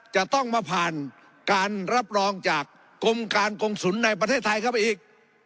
จะต้องมาผ่านการรับรองจากกรมการกงศูนย์ในประเทศไทยเข้าไปอีก